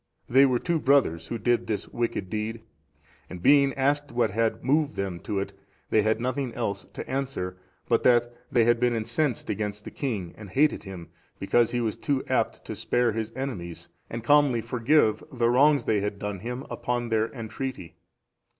They were two brothers who did this wicked deed; and being asked what had moved them to it, they had nothing else to answer, but that they had been incensed against the king, and hated him, because he was too apt to spare his enemies, and calmly forgave the wrongs they had done him, upon their entreaty.